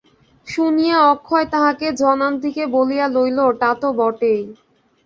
শুনিয়া অক্ষয় তাহাকে জনান্তিকে বলিয়া লইল, তা তো বটেই!